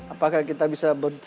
apakah kita bisa berdiri tegak